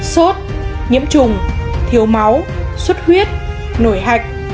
sốt nhiễm trùng thiếu máu suất huyết nổi hạch